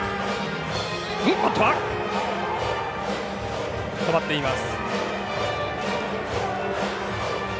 バットは止まっています。